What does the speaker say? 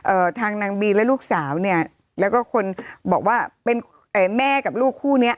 ทางนางบีและลูกสาวเนี่ยแล้วก็คนบอกว่าเป็นเอ่อแม่กับลูกคู่เนี้ย